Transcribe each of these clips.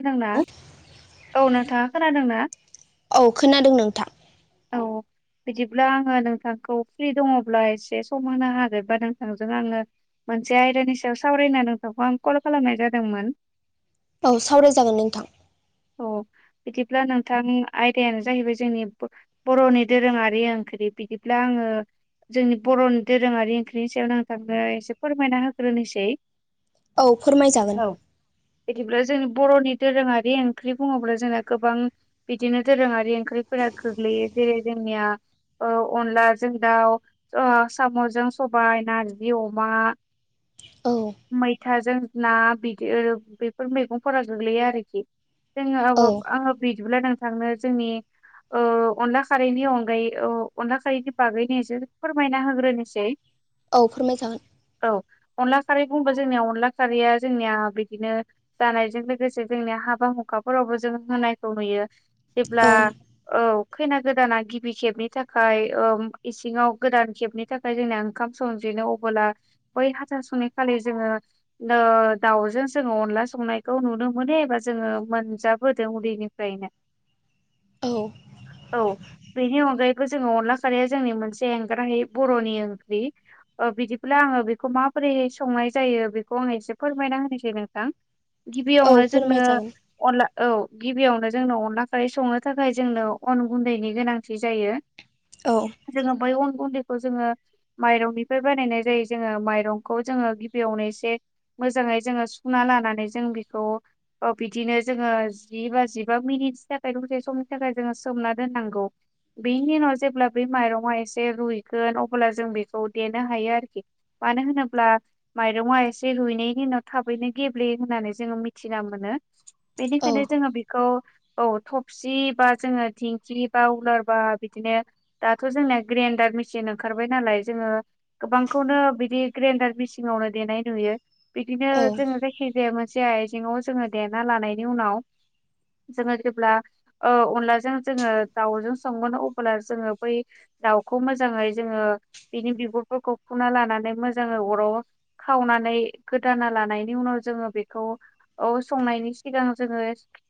खोनादोंना औ नोंथाङा खोनादोंना? औ खोनादों नोंथां औ बिदिब्ला आङो नोंथांखौ फ्रि दङब्ला एसे सम होनो हागोनबा नोंथांजों आङो मोनसे आयदानि सायाव सावरायना नोंथांखौ आं कल खालामनाय जादोंमोन। औ सावरायजागोन नोंथां। औ बिदिब्ला नोंथां आयदायानो जाहैबाय जोंनि बर'नि दोरोङारि ओंख्रि बिदिब्ला आङो जोंनि बर'नि दोरोङारि ओंख्रिनि सायावनो नोंथांनो एसे फोरमायना होग्रोनोसै। औ फोरमायजागोन। औ बिदिब्ला जोंनि बर'नि दोरोङारि ओंख्रि बुङोब्ला जोंना गोबां बिदिनो दोरोङारि ओंख्रिफोरा गोग्लैयो जेरै जोंनिया औ अनलाजों दाउ ओ साम'जों सबाइ नारजि अमा औ मैथाजों ना बिदि बेफोर मैगंफोरा गोग्लैयो आरोखि जोङो औ आबो आङो बिदिब्ला नोंथांनो जोंनि ओ अनला खारैनि औ अनगायै अनला खारैनि बागैनो एसो फोरमायना होग्रोनोसै [inaudible] औ फोरमाय जागोन। औ अनला खारै बुंबा जोंनिया अनला खारैया जोंनिया बिदिनो जानायजों लोगोसे जोंनिया हाबा हुखाफोरावबो जों होनायखौ नुयो जेब्ला औ औ खैना गोदाना गिबि खेबनि थाखाय औ इसिङाव गोदान खेबनि थाखाय जोंना ओंखाम संजेनो अबैला बै हाथा सुनि खालि जोङो ओ दाउजों जोङो अनला संनायखौ नुनो मोनो एबा जोङो मोन जाबोदों उदैनिफ्रायनो। औ औ बेनि अनगायैबो जोङो अनला खारैया जोंनि मोनसे एंगारहायै बर'नि ओंख्रि ओ बिदिब्ला आङो बेखौ माबोरै संनाय जायो बेखौ आङो एसे फोरमायना होनोसै नोंथां। औ गिबियावनो जोंनो फोरमायजागोन अनला औ गिबियावनो जोंनो अनला खारै संनो थाखाय जोंनो अन गुन्दैनि गोनांथि जायो। [inaudible] औ। जोङो बै अन गुन्दैखौ जोङो माइरंनिफ्राय बानायनाय जायो जोङो माइरंखौ जोङो गिबियावनो एसे मोजाङै जोङो सुना लानानै जों बेखौ ओ बि बिदिनो जोङो जि बा जिबा मिनिटनि थाखाय दसे समनि थाखाय जोङो सोमना दोननांगौ। बेनि उनाव जेब्ला बे माइरंआ एसे रुइगोन अब्ला जों बेखौ देनो हायो आरोखि। मानो होनोब्ला माइरङा एसे रुइनायनि उनाव थाबैनो गेब्लेयो होननानै जोङो मिथिना मोनो। औ बेनिखायनो जोङो बेखौ औ थबसि बा जोङो थेंखि बा उलार बा बिदिनो दाथ' जोंनिया ग्रेन्डार मेसिन ओंखारबाय नालाय जोङो गोबांखौनो बिदि ग्रेन्डार मेचिनावनो देनाय नुयो। बिदिनो औ जोङो जायखिजाया मोनसे आयजेंआव जोङो देना लानायनि उनाव जोङो जेब्ला ओ अनलाजों जोङो दाउजों संगोनो अब्ला जोङो बै दाउखौ मोजाङै जोङो बिनि बिगुरफोरखौ फुना लानानै मोजाङै अराव खावनानै गोदाना लानायनि उनाव जोङो बेखौ [unintelligible] संनायनि सिगां जोङो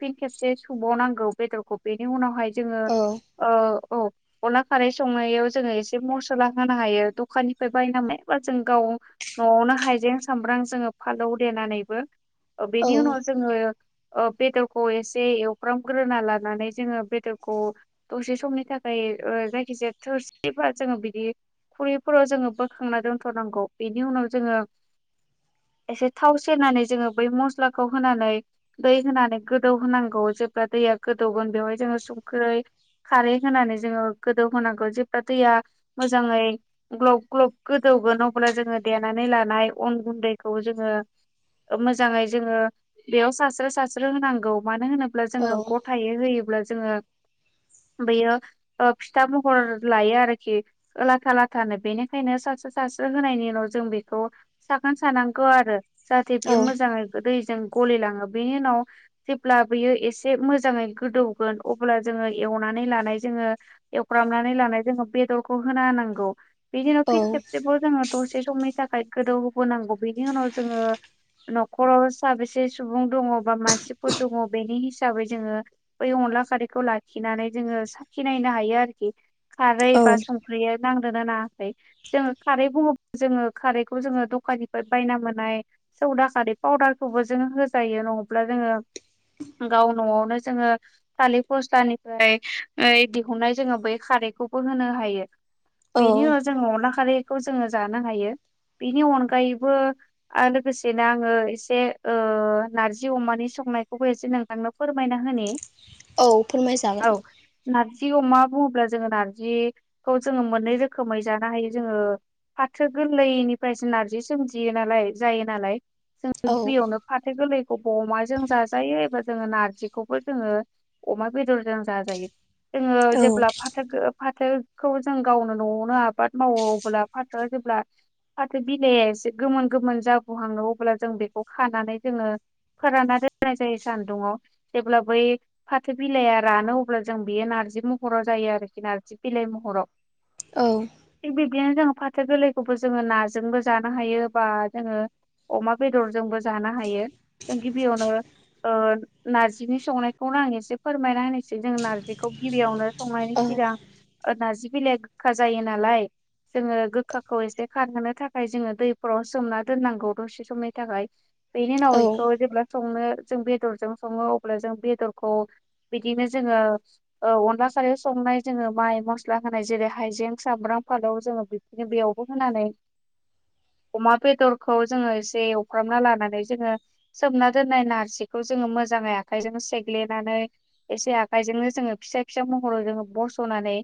फिन खेबसे सुबावनांगौ बेदरखौ बेनि उनावहाय जोङो ओ औ अनला खारै संनायाव जोङो एसे मसला होनो हायो दखाननिफ्राय बायना मेरला जों गाव न'आवनो हाइजें सामब्राम जोङो फालौ देनानैबो ओ औ बेनि उनाव जोङो ओ बेदरखौ एसे एवफ्रामग्रोना लानानै जोङो बेदरखौ दसे समनि थाखाय ओ जायखिजाया थोरसिबा जोङो बिदि खुरैफोराव जोङो बोखांना दोनथ'नांगौ बेनि उनाव जोङो एसे थाव सेरनानै जोङो बै मस्लाखौ होनानै दै होनानै गोदौ होनांगौ जेब्ला दैया गोदौगोन बेवहाय जोङो संख्रै खारै होनानै जोङो गोदौ होनांगौ जेब्ला दैया मोजाङै ग्लब ग्लब गोदौगोन अब्ला जोङो देनानै लानाय अन गुन्दैखौ जोङो ओ मोजाङै जोङो बेयाव सानस्रो सारस्रो होनांगौ मानो होनोब्ला जोङो गथायै होयोब्ला जोङो बेयो फिथा महर लायो आरोखि लाथा लाथानो बेनिखायनो सारस्रो सारस्रो होनायनि उनाव जों बेखौ सागोन सानांगौ आरो जाहाथे औ बेयो मोजाङै दैजों गलिलाङो बेनि उनाव जेब्ला बियो एसे मोजाङै गोदौगोन अब्ला जोङो एवनानै लानाय जोङो एवफ्रामनानै लानाय जोङो बेदरखौ होना होनांगौ। बिनि उनाव फिन खेबसेबाव जोङो दसे समनि थाखाय गोदौ होबावनांगौ बिनि उनाव जोङो न'खराव साबो से सुबुं दङ बा मानसिफोर दङ बेनि हिसाबै जोङो बै अनला खारैखौ लाखिनानै जोङो साखिनायनो हायो आरोखि खारै औ बा सं ख्रिया नांदोंना नाङाखै। जोङो खारैखौ जोङो खारैखौ जोङो दखाननिफ्राय बायना मोननाय सौदा खारै पाउदारखौबो जोङो होजायो नङाब्ला जोङो गाव न'आवनो जोङो थालिर फस्लानिफ्राय ओइ दिहुननाय जोङो बै खारैखौबो होनो हायो। बेनि उनाव जों अनलाखारि खौ जोङो जानो हायो। बेनि अनगायैबो लोगोसेनो आङो एसे ओ नार्जि अमानि संनायखौबो एसे नोंथांनो फोरमायना होनि। औ फोरमाय जागोन। नार्जि अमा बुङोब्ला जोङो नारजिखौ जोङो मोननै रोखोमै जानो हायो जोङो फाथो गोरलैनिफ्रायसो नारजि सोमजियो नालाय जायो नालाय जों औ गिबियावनो फाथो गोरलैखौबो अमाजों जाजायो एबा जोङो नारजिखौबो जोङो अमा बेदरजों जाजायो जोङो औ जेब्ला फाथोखो फाथोखौ जों गावनो न'आवनो आबाद मावो अब्ला फाथो जेब्ला फाथो बिलाइआ एसे गोमोन गोमोन जागोहाङो अब्ला जों बेखौ खानानै जोङो फोराननानै दोननाय जायो सान्दुंआव जेब्ला बै फाथो बिलाइया रानो अब्ला जों बेयो नारजि महराव जायो आरोखि नारजि बिलाइ महराव औ थिग बिब्दिनो जोङो फाथो गोरलैखौबो जोङो नाजोंबो जानो हायो बा जोङो अमा बेदरजोंबो जानो हायो जों गिबियावनो ओ नारजिनि संनायखौनो आं एसे फोरमायना होनोसै जों नारजिखौ गिबियावनो संनायनि सिगां ओ नारजि बिलाइया गोखा जायो नालाय जोङो गोखाखौ एसे खारहोनो थाखाय जोङो दैफोराव सोमना दोननांगौ दसे समनि थाखाय बेनि उनाव बेखौ जेब्ला संनो जों बेदरजों सङो अब्ला जों बेदरखौ बिदिनो जोङो ओ अनला खारैयाव संनाय जोङो माइ मस्ला होनाय जेरै हायजें सामब्राम फालाव जोङो बि दिनो बेयावबो होनानै अमा बेदरखौ जोङो एसे एवफ्रामना लाना जोङो सोमना दोननाय नारजिखौ जोङो मोजाङै आखाइजों सेग्लिनानै एसे आखाइजोंनो जोङो फिसा फिसा महराव जोङो बरस'नानै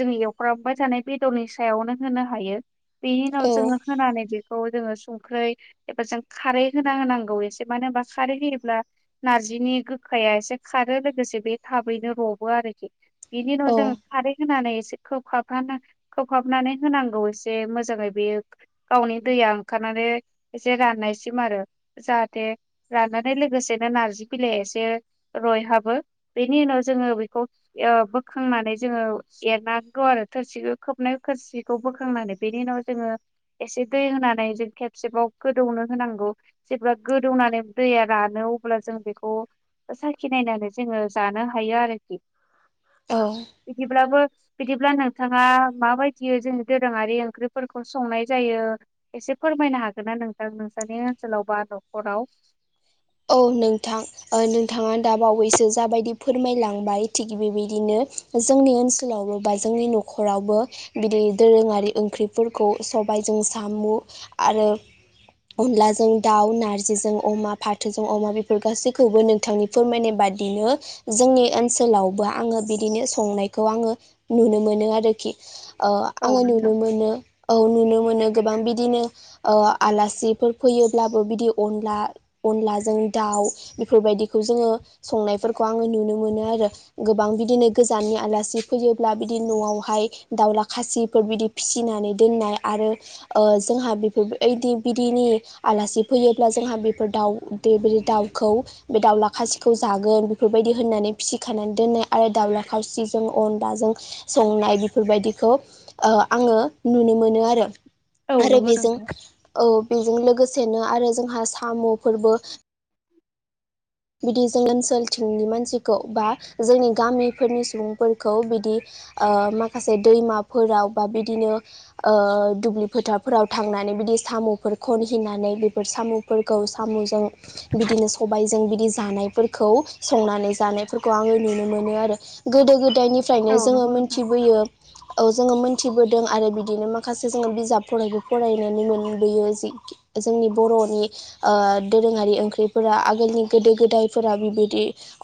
जोङो एवफ्रामबाय थानाय बेदरनि सायावनो होनो हायो बेनि उनाव जोङो होनानै बेखौ जोङो संख्रै एबा जों खारै होना होनांगौ एसे मानो होनबा खारै होयोब्ला नारजिनि गोखाया एसे खारो लोगोसे बे थाबैनो रबो आरो बिनि उनाव औ औ जोङो खारै होनानै एसे खोबहाबना दोन खोबहाबनानै होनांगौ एसे मोजाङै बेयो गावनि दैया ओंखारनानै एसे राननायसिम आरो जाहाथे राननानै लोगोसेनो नारजि बिलाइया एसे रय हाबो बेनि उनाव जोङो बेखौ यो बोखांनानै जोङो एरनांगौ आरो थोरसिखौ खोबनाय थोरसि खौ बोखांनानै बेनि उनाव जोङो एसे दै होनानै जों खेबसेबाव गोदौनो होनांगौ जेब्ला गोदौनानै दैया रानो अब्ला जों बेखौ साखि नायनानै जोङो जानो हायो आरोखि औ बिदिब्लाबो बिदिब्ला नोंथाङा माबायदि जोंनि दोरोङारि ओंख्रिफोरखौ संनाय जायो एसे फोरमायनो हागोन ना नोंथां नोंसोरनि ओनसोलाव बा न'खराव? औ नोंथां नोंथाङा दाबावैसो जाबायदि फोरमायलांबाय थिग बेबायदिनो जोंनि ओनसोलावबो बा जोंनि न'खरावबो बिदि दोरोङारि ओंख्रिफोरखौ सबायजों साम' आरो अनलाजों दाउ नारजिजों अमा फा थोजों अमा बेफोर गासैखौबो नोंथांनि फोरमायनाय बादिनो जोंनि ओनसोलावबो आङो बिदिनो संनायखौ आङो नुनो मोनो आरोखि ओ औ आङो नोंथां नुनो मोनो औ नुनो मोनो गोबां बिदिनो ओ आलासिफोर फैयोब्लाबो बिदि अनला अनलाजों दाउ बेफोरबायदिखौ जोङो संनायफोरखौ आङो नुनो मोनो आरो गोबां बिदिनो गोजाननि आलासि फैयोब्ला बिदि न'आवहाय दाउला खासिफोर बिदि फिसिनानै दोननाय आरो जोंहा बेफोरदि बिदैनि आलासि फैयोब्ला जोंहा बि दाउ देब्रि दाउखौ बे दाउला खासिखौ जागोन बेफोरबायदि होननानै फिसिखानानै दोननाय आरो दाउला खासिजों अनलाजों संनाय बेफोरबायदिखौ ओ आङो नुनो मोनो आरो औ आरो नंगौ बेजों नोंथां औ बेजों लोगोसेनो आरो जोंहा साम'फोरबो बिदि जों ओनसोलथिंनि मानसिखौ बा जोंनि गामिफोरनि सुबुंफोरखौ बिदि माखासे दैमाफोराव बा बिदिनो दुब्लि फोथारफोराव थांनानै बिदि साम'फोर खनहैनानै बेफोर साम' फोरखौ साम'जों बिदिनो सबायजों बि दि जानायफोरखौ संनानै जानायफोरखौ आङो नुनो मोनो आरो गोदो गोदायनि निफ्रायनो औ जोङो नंगौ नोंथां मोनथिबोयो औ जोङो मोनथिबोदों आरो बिदिनो माखासे जोङो बिजाबफोरावबो फरायनानै मोनबोयो जि जोंनि बर'नि दोरोङारि ओंख्रिफोरा आगोलनि गोदो गोदायफोरा बिबायदि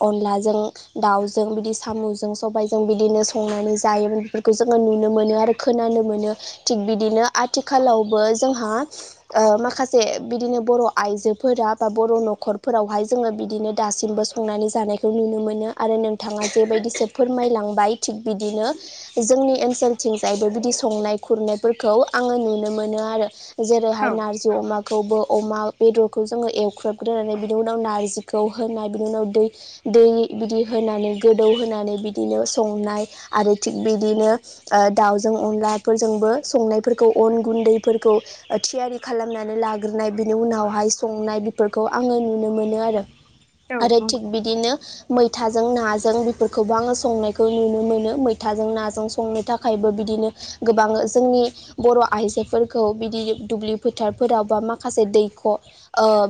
अनलाजों दाउजों बिदि साम'जों सबाइजों बिदिनो संनानै जायोमोन बेफोरखौ जोङो नुनो मोनो आरो खोनानो मोनो थिग बिदिनो आथिखालावबो जोंहा माखासे बिदिनो बर' आइजोफोरा बा बर' न'खरफोरावहाय जोङो बिदिनो दासिमबो संनानै जानायखौ नुनो मोनो आरो नोंथाङा जेबायदिसो फोरमायलांबाय थिग बिदिनो जोंनि ओनसोलथिंजायबो बिदि संनाय खुरनायफोरखौ आङो नुनो मोनो आरो। जेरैहाय औ नारजि अमाखौबो अमा बेदरखौ जोङो एवख्रोबग्रोनानै बिनि उ नाव नारजिखौ होनाय बिनि उनाव दै दै बिदि होनानै गोदौहोनानै बिदिनो संनाय आरो थिग बिदिनो दाउजों अनलाफोरजोंबो संनायफोरखौ अन गुन्दैफोरखौ थियारि खालामनानै लाग्रोनाय बिनि उनावहाय संनाय बेफोरखौ आङो नु नुनो मोनो आरो औ आरो नंगौ थिग बिदिनो मैथाजों नाजों बेफोरखौबो आङो संनायखौ नुनो मोनो मैथाजों नाजों संनो थाखायबो बिदिनो गोबां जोंनि बर' आइजोफोरखौ बिदि दुब्लि फोथारफोराव बा माखासे दैख' ओ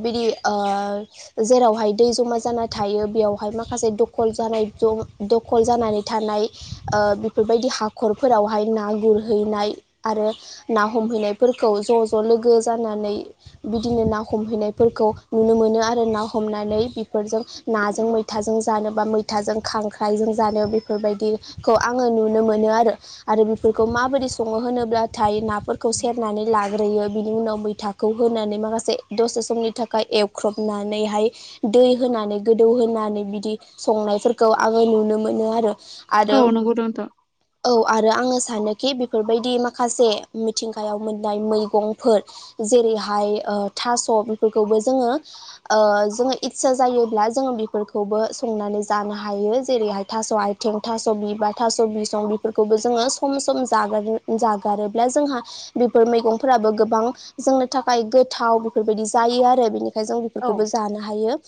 बिदि ओ जेरावहाय दै जमा जाना थायो बेयावहाय माखासे दखल जानाय ज दखल जानानै थानाय बेफोरबायदि हाखरफोरावहाय ना गुरहैनाय आरो ना हमहैनायफोरखौ ज' ज' लोगो जानानै बिदिनो ना हम हमहैनायफोरखौ नुनो मोनो आर ना हमनानै बेफोरजों नाजों मैथाजों जानो बा मैथाजों खांख्राइजों जानो बेफोरबायदि खौ आङो नुनो मोनो आरो आरो बेफोरखौ माबोरै सङो होनो अब्लाथाय नाफोरखौ सेरनानै लाग्रोयो बिनि उनाव मैथा खौ होनानै माखासे दसे समनि थाखाय एवख्रबनानैहाय दै होनानै गोदौहोनानै बिदि संनायफोरखौ आङो नुनो मोनो आरो। औ आरो नंगौ नोंथां औ आरो आङो सानोखि बेफोरबायदि माखासे मिथिंगायाव मोननाय मैगंफोर जेरैहाय थास' बेफोरखौबो जोङो जोङो इस्सा जायोब्ला जोङो बेफोरखौबो संनानै जानो हायो जेरैहाय थास' आइ थें थास'बिबार थासबिसं बिफोरखौबो जोङो सम सम जागार जागारोब्ला जोंहा बेफोर मैगंफोराबो गोबां जोंनो थाखाय गोथाव बेफोरबायदि जायो आरो बिनि फ्राय जों औ बेफोरखौबो जानो हायो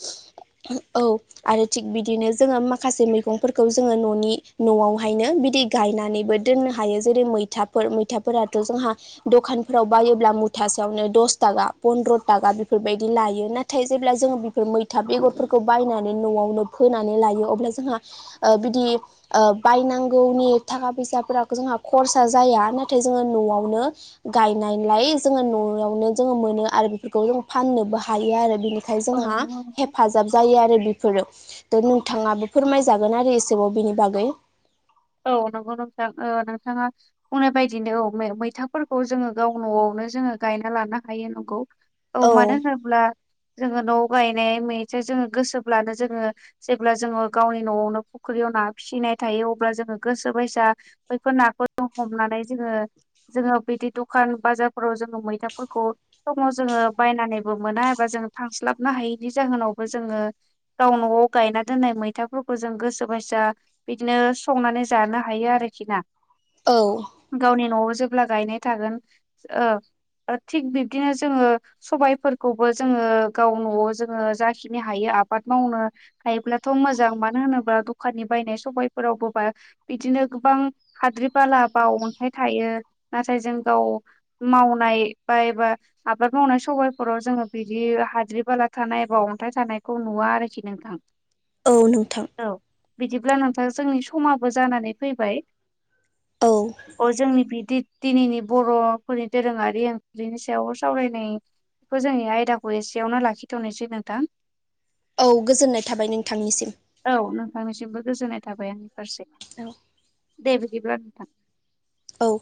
औ आरो थिग बिदिनो जोङो माखासे मैगंफोरखौ जोङो न'नि न'आवहायनो बिदि गायनानैबो दोननो हायो जेरै मैथाफोर मैथाफोराथ' जोंहा दखानफोराव बायोब्ला मुथासेयावनो दस थाखा पन्द्र' थाखा बेफोरबायदि लाय यो नाथाय जेब्ला जोङो बेफोर मैथा बेगरफोरखौ बायनानै न'आवनो फोनानै लायो अब्ला जोंहा ओ बिदि बायनांगौनि थाखा फैसाफोर जोंहा खरसा जाया नाथाय जोङो न'आवनो गायनायलाय जोङो न'आवनो जोङो मोनो आरो बेफोरखौ जों फाननोबो हा हायो आरो बिनिखाय औ जोंहा नंगौ नोंथां हेफा जाब जायो आरो बेफोरो थ' नोंथाङाबो फोरमायजागोन आरो एसेबाव बिनि बागै औ नंगौ नोंथां ओ नोंथाङा बुंनाय बायदिनो औ मैथाफोरखौ जोङो गाव न'आवनो जोङो गायना लानो हायो नंगौ औ मानो होनोब्ला जोङो न'आव गायनाय मैथा जोङो गोसोब्लानो जोङो जेब्ला जोङो गावनि न'आवनो फुख्रियाव ना फिसिनाय थायो अ जोङो गोसो बैसा बैफोर नाखौ ज हमनानै जोङो जोङो बिदि दखान बाजारफोराव जोङो मैथाफोरखौ समाव जोङो बायनानैबो मोना एबा जोङो थांस्लाबनो हायैनि जाहोनावबो जोङो गाव न'आव गायना दोननाय मैथाफोरखौ जों गोसो बायसा बिदिनो संनानै जानो हायो आरोखि ना औ गावनि न'आव जेब्ला गायनाय थागोन ओ थिग बिब्दिनो जोङो सबायफोरखौबो जोङो गाव न'आव जोङो जाखिनि हायो आबाद मावनो हायोब्लाथ' मोजां मानो होनोब्ला दखाननि बायनाय सबायफोरावबो बिदिनो गोबां हाद्रि बाला बाव अन्थाइ थायो नाथाय जों गाव मावनाय बा एबा आबाद मावनाय सबायफोराव जोङो बिदि हाद्रि बाला थानाय एबा अन्थाइ थानायखौ नुवा आरोखि नोंथां [unintelligible] औ नोंथां औ बिदिब्ला नोंथां जोंनि समाबो जानानै फैबाय औ जोंनि बिदि दिनैनि बर'फोरनि दोरोङारि ओंख्रिनि सायाव सावरायनाय बेखौ जोंनि आयदाखौ एसेयावनो लाखिथ'नोसै नोंथां औ गोजोननाय थाबाय नोंथांनिसिम औ नोंथांनिसिमबो गोजोननाय थाबाय आंनि फारसे औ दे बिदिब्ला नोंथां औ